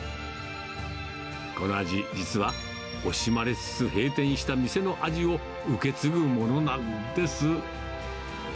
この味、実は惜しまれつつ閉店した店の味を受け継ぐものなんです。